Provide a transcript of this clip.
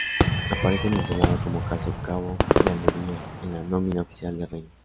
Aparece mencionado como casa cabo de armería en la nómina oficial del Reino.